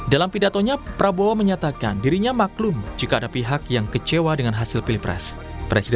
dalam pidatonya prabowo menyatakan dirinya maklum jika ada pihak yang kecewa dengan hasil pilpres